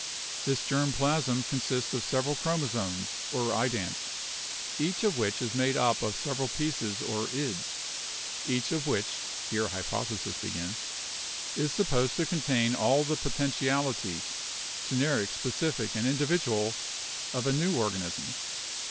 This germ plasm consists of several chromosomes or idants, each of which is made up of several pieces or ids, each of which (here hypothesis begins) is supposed to contain all the potentialities — generic, specific, and individual — of a new organism.